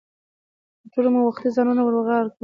تر ټولو مو وختي ځانونه د ورد غاړې ته ورسو.